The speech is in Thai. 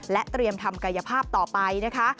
เตรียมทำกายภาพต่อไปนะคะ